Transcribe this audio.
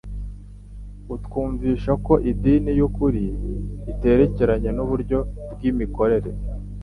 atwumvisha ko idini y'ukuri iterekeranye n'uburyo bw'imikorere,